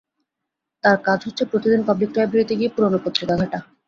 তার কাজ হচ্ছে প্রতিদিন পাবলিক লাইব্রেরিতে গিয়ে পুরনো পত্রিকা ঘাঁটা।